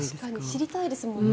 知りたいですもんね。